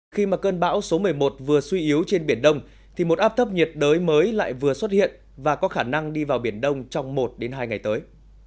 khi mà cơn bão số một mươi một vừa suy yếu trên biển đông thì một áp thấp nhiệt đới mới lại vừa xuất hiện và có khả năng đi vào biển đông trong một hai ngày tới